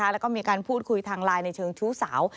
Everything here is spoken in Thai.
แล้วก็มีการพูดคุยทางไลน์ในเชิงชู้สาว